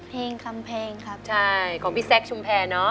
เพลงคำเพลงครับใช่ของพี่แซคชุมแพนะ